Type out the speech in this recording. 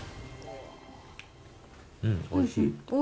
うん、おいしい。